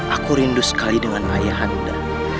aku rindu sekali dengan ayah handa